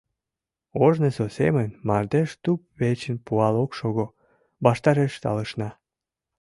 Ожнысо семын мардеж туп вечын пуал ок шого, ваштареш талышна.